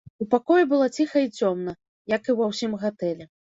У пакоі было ціха і цёмна, як і ва ўсім гатэлі.